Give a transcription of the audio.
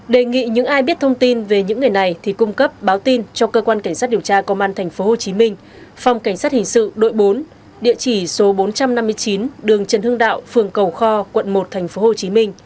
đề nghị những ai biết thông tin về những người này thì cung cấp báo tin cho cơ quan cảnh sát điều tra công an thành phố hồ chí minh phòng cảnh sát hình sự đội bốn địa chỉ số bốn trăm năm mươi chín đường trần hương đạo phường cầu kho quận một thành phố hồ chí minh